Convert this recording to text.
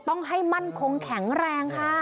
ต้องให้มั่นคงแข็งแรงค่ะ